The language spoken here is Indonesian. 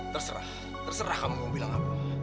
terserah terserah kamu mau bilang apa